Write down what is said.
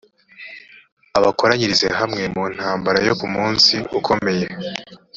abakoranyirize hamwe mu ntambaraw yo ku munsi ukomeye